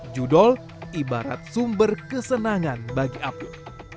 judol ibarat sumber kesenangan bagi abdul